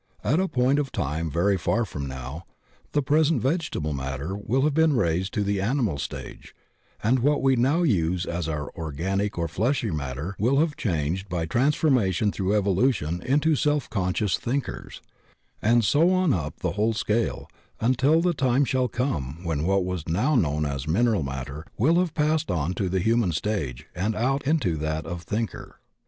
At a point of time very far from now the present vegetable matter will have been raised to the animal stage and what we now use as our organic or fleshy matter will have changed by transformation through evolution into self conscious thinkers, and so on up the whole scale until the time shall come when what is now known as mineral mat ter will have passed on to the human stage and out into that of thinker.